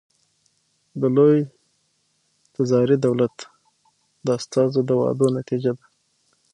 د لوی تزاري دولت د استازو د وعدو نتیجه ده.